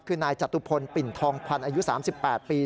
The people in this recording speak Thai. คือนายจตุพลปิ่นทองพันธ์อายุ๓๘ปี